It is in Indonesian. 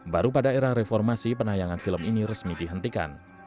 baru pada era reformasi penayangan film ini resmi dihentikan